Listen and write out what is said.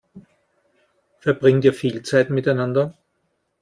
Verbringt ihr viel Zeit miteinander?